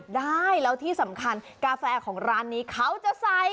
ได้แล้วที่สำคัญกาแฟของร้านนี้เขาจะใส่